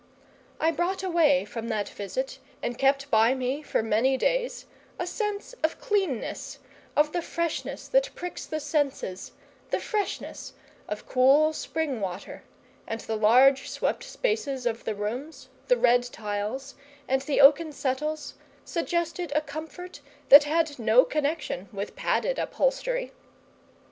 I brought away from that visit, and kept by me for many days, a sense of cleanness, of the freshness that pricks the senses the freshness of cool spring water; and the large swept spaces of the rooms, the red tiles, and the oaken settles, suggested a comfort that had no connexion with padded upholstery.